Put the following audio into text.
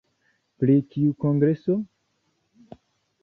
Pri kiu kongreso?